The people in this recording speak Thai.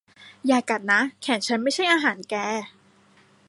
อย่ากัดนะ แขนฉันไม่ใช่อาหารแก